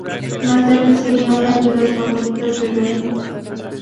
Más tarde sería una de las favoritas de Verdi.